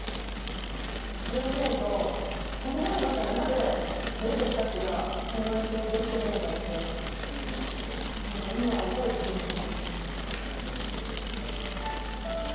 それを思うとこの絵の中になぜ動物たちがこんなに登場しているのかって何か今分かる気がしますね。